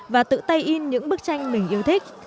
và tự tay in những bức tranh mình yêu thích